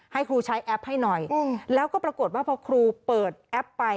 ให้ครูใช้แอปให้หน่อยแล้วก็ปรากฏว่าพอครูเปิดแอปไป